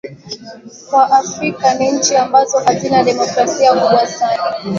kwa afrika ni nchi ambazo hazina demokrasia kubwa sana